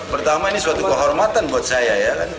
pertama ini suatu kehormatan buat saya